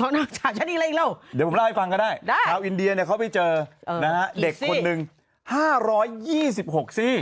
หมอฟันหน่อยไหมเดี๋ยวผมเล่าให้ฟังก็ได้ชาวอินเดียเขาไปเจอนะฮะเด็กคนหนึ่ง๕๒๖ซี